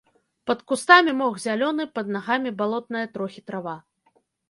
Пад кустамі мох зялёны, пад нагамі балотная трохі трава.